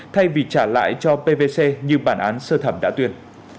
thay vì trả lại cho pvc như bản án sơ thẩm đã tuyên